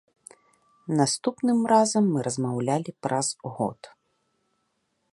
Наступным разам мы размаўлялі праз год.